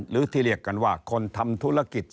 หรือที่เรียกกันว่าคนทำธุรกิจ